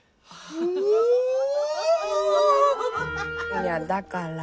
いやだから。